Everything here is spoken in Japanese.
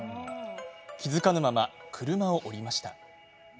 気付かぬまま、車を降りました。